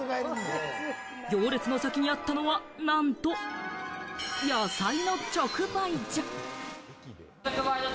行列の先にあったのはなんと、野菜の直売所！